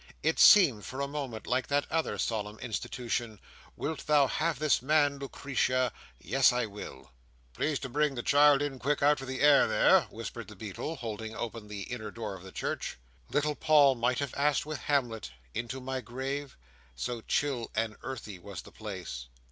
It seemed for a moment like that other solemn institution, "Wilt thou have this man, Lucretia?" "Yes, I will." "Please to bring the child in quick out of the air there," whispered the beadle, holding open the inner door of the church. Little Paul might have asked with Hamlet "into my grave?" so chill and earthy was the place.